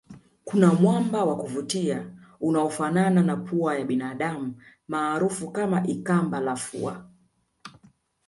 Kuna mwamba wa kuvutia unaofanana na pua ya binadamu maarufu kama ikamba la fua